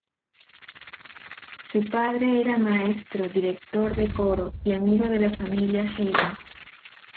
Su padre era maestro, director de coro y amigo de la familia Haydn.